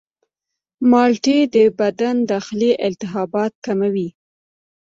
مالټې د بدن داخلي التهابات کموي.